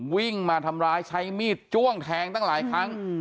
วิ่งมาทำร้ายใช้มีดจ้วงแทงตั้งหลายครั้ง